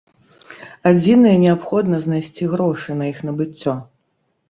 Адзінае, неабходна знайсці грошы на іх набыццё.